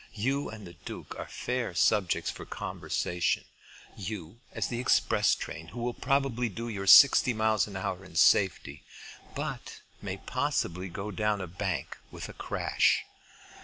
You and the Duke are fair subjects for conversation; you as the express train, who will probably do your sixty miles an hour in safety, but may possibly go down a bank with a crash."